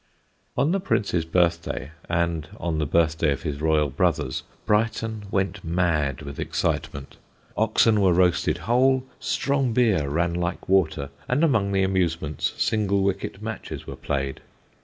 '" On the Prince's birthday, and on the birthday of his royal brothers, Brighton went mad with excitement. Oxen were roasted whole, strong beer ran like water, and among the amusements single wicket matches were played.